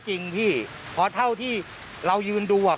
กระทั่งตำรวจก็มาด้วยนะคะ